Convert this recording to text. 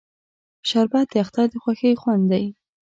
شربت د اختر د خوښۍ خوند دی